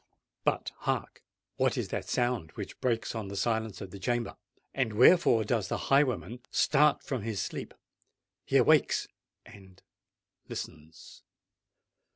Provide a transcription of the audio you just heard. But, hark! what is that sound which breaks on the silence of the chamber?—and wherefore does the highwayman start from his sleep? He awakes—and listens.